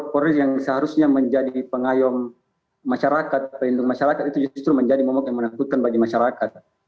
polres yang seharusnya menjadi pengayom masyarakat pelindung masyarakat itu justru menjadi momok yang menakutkan bagi masyarakat